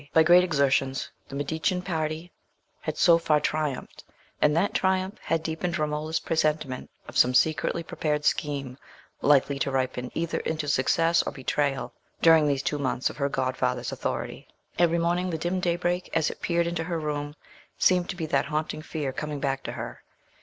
By great exertions the Medicean party had so far triumphed, and that triumph had deepened Romola's presentiment of some secretly prepared scheme likely to ripen either into success or betrayal during these two months of her godfather's authority. Every morning the dim daybreak as it peered into her room seemed to be that haunting fear coming back to her.